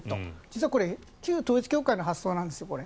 実はこれ旧統一教会の発想なんです。